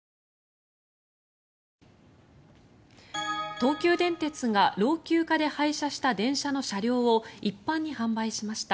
東急電鉄が老朽化で廃車した電車の車両を一般に販売しました。